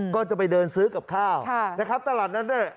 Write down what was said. ก็จะไปเดินซื้อกับข้าวนะครับตลาดนั้นด้วย